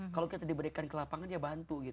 kalau kita diberikan ke lapangan ya bantu